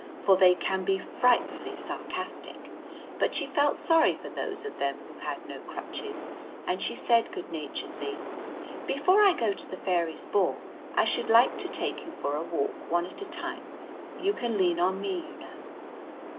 for they can be frightfully sarcastic, but she felt sorry for those of them who had no crutches, and she said good naturedly, "Before I go to the fairies' ball, I should like to take you for a walk one at a time; you can lean on me, you know."